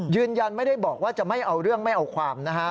ยืนยันไม่ได้บอกว่าจะไม่เอาเรื่องไม่เอาความนะฮะ